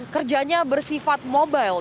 kerjanya bersifat mobile